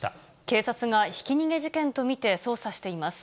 警察がひき逃げ事件と見て捜査しています。